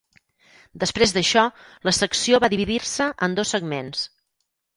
Després d'això la secció va dividir-se en dos segments.